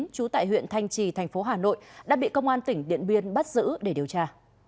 trú tại huyện thanh trì thành phố hà nội đã bị công an tỉnh điện biên bắt giữ để điều tra